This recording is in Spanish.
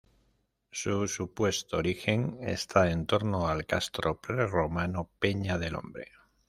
Su supuesto origen, está en torno al castro prerromano Peña del Hombre.